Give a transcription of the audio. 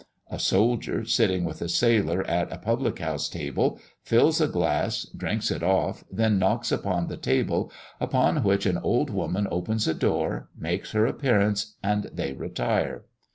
A soldier, sitting with a sailor at a public house table, fills a glass, drinks it off, then knocks upon the table, upon which an old woman opens a door, makes her appearance, and they retire.